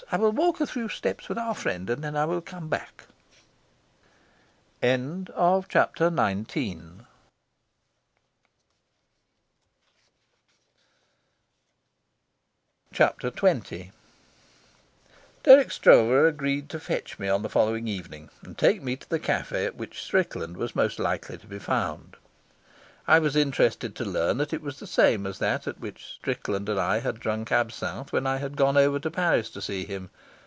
I will walk a few steps with our friend, and then I will come back." Chapter XX Dirk Stroeve agreed to fetch me on the following evening and take me to the cafe at which Strickland was most likely to be found. I was interested to learn that it was the same as that at which Strickland and I had drunk absinthe when I had gone over to Paris to see him.